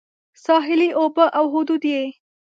ساحلي اوبه او حدود یې